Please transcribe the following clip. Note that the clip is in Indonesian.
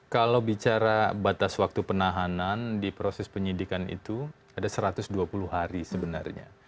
kalau bicara batas waktu penahanan di proses penyidikan itu ada satu ratus dua puluh hari sebenarnya